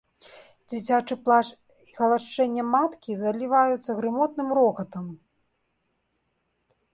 Дзіцячы плач і галашэнне маткі заліваюцца грымотным рокатам.